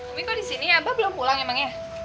umi kok disini abah belum pulang emangnya